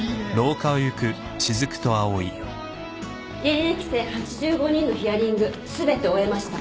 現役生８５人のヒアリング全て終えました。